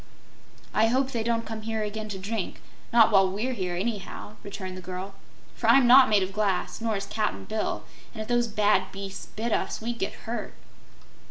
"I hope they don't come here again to drink, not while we're here, anyhow," returned the girl, "for I'm not made of glass, nor is Cap'n Bill, and if those bad beasts bit us, we'd get hurt."